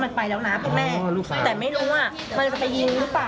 มันไปแล้วนะคุณแม่แต่ไม่รู้ว่ามันจะไปยิงหรือเปล่า